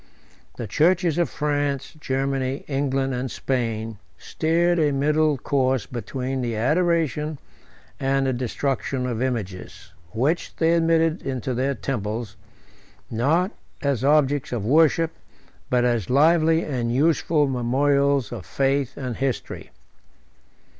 The churches of France, Germany, England, and Spain, steered a middle course between the adoration and the destruction of images, which they admitted into their temples, not as objects of worship, but as lively and useful memorials of faith and history.